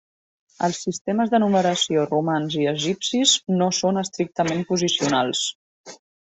Els sistemes de numeració romans i egipcis no són estrictament posicionals.